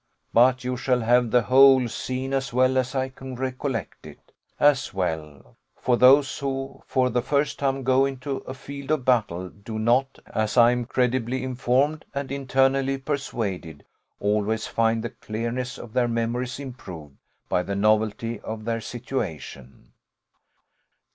But you shall have the whole scene, as well as I can recollect it; as well for those who for the first time go into a field of battle do not, as I am credibly informed and internally persuaded, always find the clearness of their memories improved by the novelty of their situation.